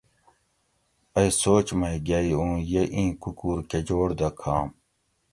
ائ سوچ مئ گیئ اُوں یہ اِیں کُکور کہ جوڑ دہ کھم